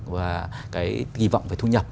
và cái kỳ vọng về thu nhập